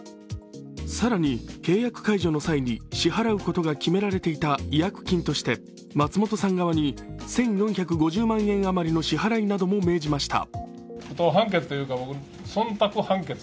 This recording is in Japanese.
更に、契約解除の際に支払うことが決められていた違約金として、松本さん側に１４５０万円余りの支払いなども命じました。